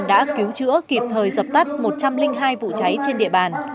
đã cứu chữa kịp thời dập tắt một trăm linh hai vụ cháy trên địa bàn